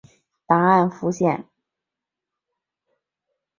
答案浮现在妳眼底